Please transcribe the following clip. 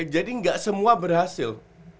jadi gak semua berhasil